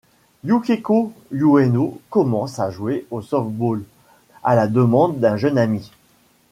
Yukiko Ueno commence à jouer au softball à la demande d'un jeune ami.